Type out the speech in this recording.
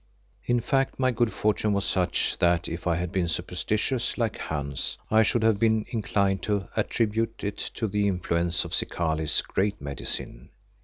In fact, my good fortune was such that if I had been superstitious like Hans, I should have been inclined to attribute it to the influence of Zikali's "Great Medicine."